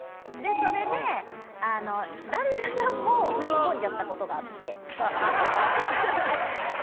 それで旦那さんも振り込んじゃったことがあって。